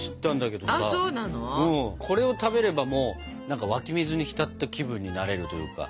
これを食べればもう何か湧き水に浸った気分になれるというか。